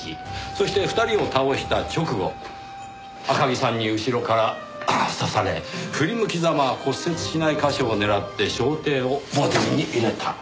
そして２人を倒した直後赤城さんに後ろから刺され振り向きざま骨折しない箇所を狙って掌底をボディーに入れた。